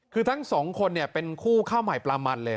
คือทั้งสองคนเป็นคู่ข้าวใหม่ปลามันเลย